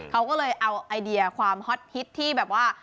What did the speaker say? เขาก็เลยเอาไอเดียความฮอตฮิตที่แบบว่า